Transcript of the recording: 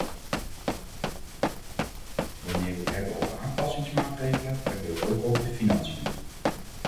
Wanneer we het hebben over aanpassingsmaatregelen, hebben we het ook over de financiën.